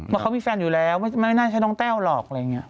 ว่าเขามีแฟนอยู่แล้วไม่น่าใช่น้องแต้วหรอกอะไรอย่างนี้